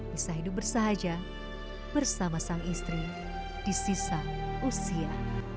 bisa hidup bersahaja bersama sang istri di sisa usia